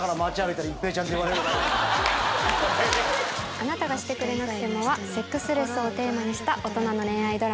『あなたがしてくれなくても』はセックスレスをテーマにした大人の恋愛ドラマです。